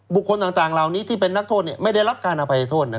บุคคลต่างเหล่านี้ไม่ได้รับการอภัยโทษ